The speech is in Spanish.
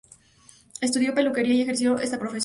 Estudió peluquería y ejerció esa profesión.